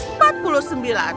empat puluh sembilan